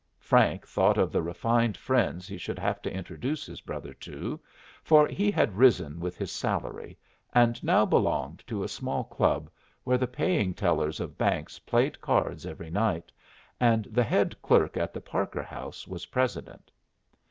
Frank thought of the refined friends he should have to introduce his brother to; for he had risen with his salary, and now belonged to a small club where the paying tellers of banks played cards every night, and the head clerk at the Parker House was president.